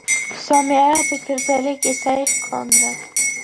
ზომიერად გრძელი კისერი ჰქონდათ.